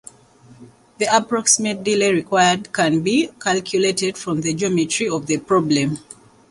The approximate delay required can be calculated from the geometry of the problem.